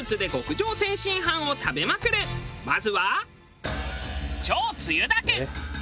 まずは。